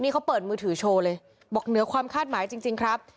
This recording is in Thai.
นี่เขาเปิดมือถือโชว์เลยบอกเหนือความคาดหมายจริงครับ